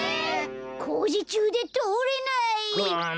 こうじちゅうでとおれない！くっ！